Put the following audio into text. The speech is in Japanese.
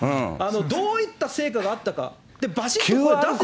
どういった成果があったか、ばしっと出せばね。